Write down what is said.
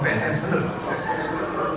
dia akan lebih di setoran pns